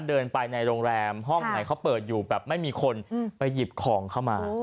เดินไปในโรงแรมห้องไหนเขาเปิดอยู่แบบไม่มีคนไปหยิบของเข้ามา